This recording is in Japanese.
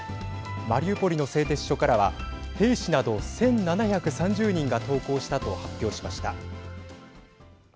マリウポリの製鉄所からは兵士など１７３０人が投降したと発表しました。